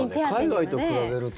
海外と比べると。